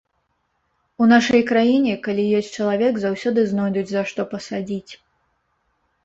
У нашай краіне, калі ёсць чалавек, заўсёды знойдуць, за што пасадзіць.